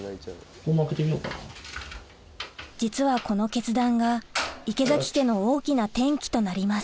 実はこの決断が池崎家の大きな転機となります